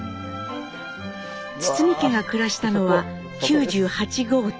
堤家が暮らしたのは９８号棟。